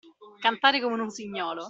Cantare come un usignolo.